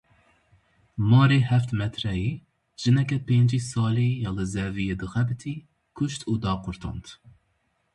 Marê heft metreyî jineke pêncî salî ya li zeviyê dixebitî kuşt û daqurtand!